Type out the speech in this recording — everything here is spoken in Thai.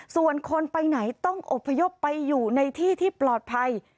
ส่วนคนไปไหนต้องอบพยพไปอยู่ในที่ที่ปลอดภัย